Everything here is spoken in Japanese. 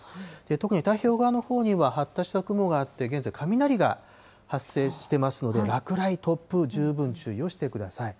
特に太平洋側のほうには発達した雲があって、現在、雷が発生してますので、落雷、突風、十分注意をしてください。